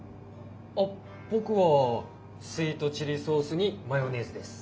あっ僕はスイートチリソースにマヨネーズです。